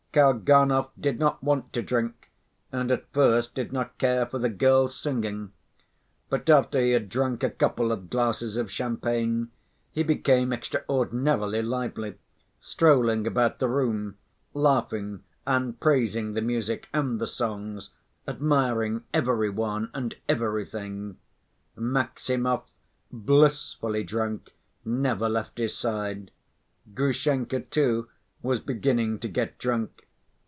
Kalganov did not want to drink, and at first did not care for the girls' singing; but after he had drunk a couple of glasses of champagne he became extraordinarily lively, strolling about the room, laughing and praising the music and the songs, admiring every one and everything. Maximov, blissfully drunk, never left his side. Grushenka, too, was beginning to get drunk.